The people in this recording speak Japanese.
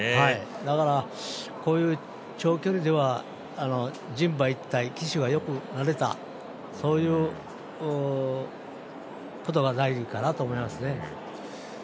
だからこういう長距離では人馬一体、騎手が、よく慣れたそういうことが大事かなと思いますね。